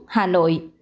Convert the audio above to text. bốn hà nội